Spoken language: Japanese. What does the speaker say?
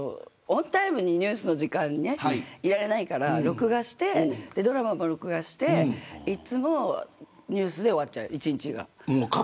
オンタイムにニュースの時間いられないから録画して、ドラマも録画していつもニュースで終わっちゃう一日が。